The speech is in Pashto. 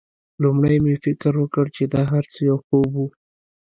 لومړی مې فکر وکړ چې دا هرڅه یو خوب و